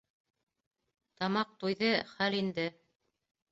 Тамаҡ туйҙы, хәл инде.